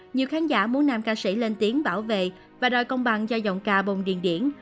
nhiều khán giả muốn nam ca sĩ lên tiếng bảo vệ và đòi công bằng cho giọng ca bồng điền điển